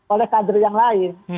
oleh kader yang lain